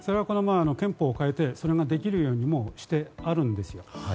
この前、憲法を変えてそれができるようにもうしてあるんです。